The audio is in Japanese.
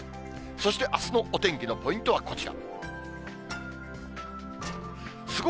そしてあすのお天気のポイントはこちら。